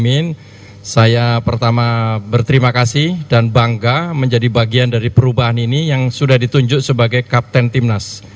saya pertama berterima kasih dan bangga menjadi bagian dari perubahan ini yang sudah ditunjuk sebagai kapten timnas